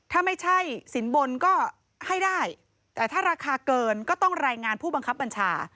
ถ้าไม่ใช่สินบนก็ให้ได้แต่ถ้าราคาเกินก็ต้องรายงานผู้บังคับบัญชา